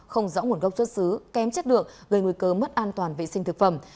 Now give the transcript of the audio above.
không rõ nguồn gốc xuất xứ kém chất lượng gây nguy cơ mất an toàn vệ sinh thực phẩm